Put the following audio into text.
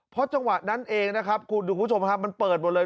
เพราะจังหวะนั้นเองนะครับคุณผู้ชมครับมันเปิดหมดเลย